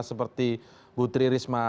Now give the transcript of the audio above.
seperti putri risma